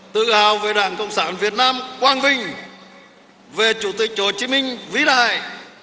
tự hào về đảng cộng sản việt nam quang vinh về chủ tịch hồ chí minh vĩ đại